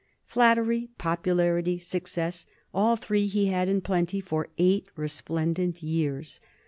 Flattery, popularity, success — all three he had in plenty for eight resplendent years.